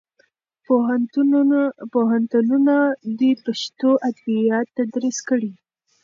پوهنتونونه دې پښتو ادبیات تدریس کړي.